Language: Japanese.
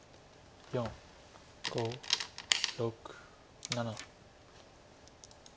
４５６７。